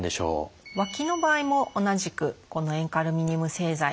わきの場合も同じくこの塩化アルミニウム製剤。